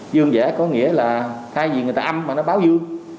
dương giả có nghĩa là thay vì người ta âm mà nó báo dương